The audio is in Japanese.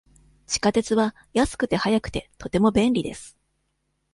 地下鉄は安くて、早くて、とても便利です。